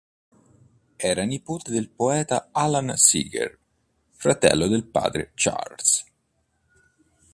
Era nipote del poeta Alan Seeger, fratello del padre Charles.